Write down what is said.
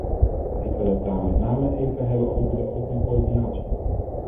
Ik wil het daar met name even hebben over de open coördinatie.